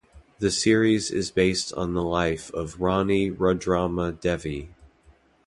The series is based on the life of Rani Rudrama Devi.